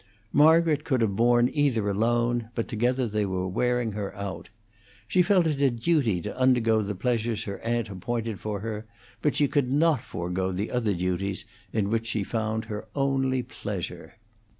Margaret could have borne either alone, but together they were wearing her out. She felt it a duty to undergo the pleasures her aunt appointed for her, but she could not forego the other duties in which she found her only pleasure.